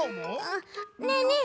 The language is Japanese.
ねえねえ